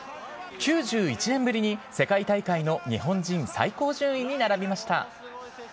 ９１年ぶりに世界大会の日本人最高順位に並びました。